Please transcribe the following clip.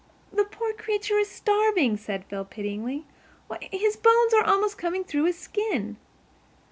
"The poor creature is starving," said Phil pityingly. "Why, his bones are almost coming through his skin."